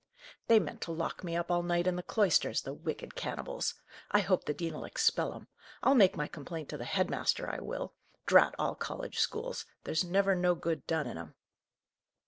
"They meant to lock me up all night in the cloisters, the wicked cannibals! I hope the dean'll expel 'em! I'll make my complaint to the head master, I will! Drat all college schools! there's never no good done in 'em!"